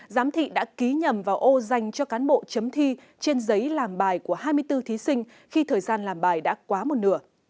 giám thị đã ký nhầm vào ô dành cho cán bộ chấm thi trên giấy làm bài của hai mươi bốn thí sinh khi thời gian làm bài đã quá một nửa